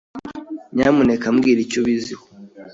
Nyamuneka mbwira icyo ubiziho.